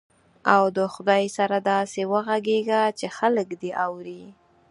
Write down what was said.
او د خدای سره داسې وغږېږه چې خلک دې اوري.